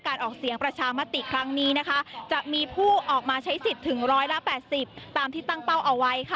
ออกเสียงประชามติครั้งนี้นะคะจะมีผู้ออกมาใช้สิทธิ์ถึง๑๘๐ตามที่ตั้งเป้าเอาไว้ค่ะ